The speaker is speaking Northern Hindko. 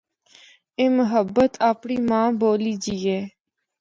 اے محبت اپڑی ماں بولی جئی اے۔